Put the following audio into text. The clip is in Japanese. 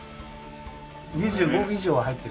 ２５尾以上は入ってる。